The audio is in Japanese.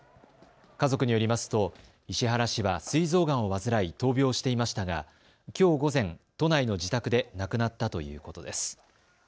家族によりますと石原氏はすい臓がんを患い闘病していましたがきょう午前、都内の自宅で亡くなったということです。